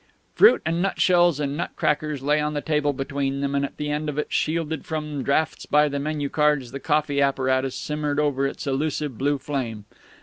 Fruit and nutshells and nutcrackers lay on the table between them, and at the end of it, shielded from draughts by the menu cards, the coffee apparatus simmered over its elusive blue flame.